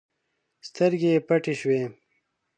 سترګې يې پټې شوې.